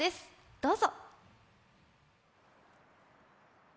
どうぞ！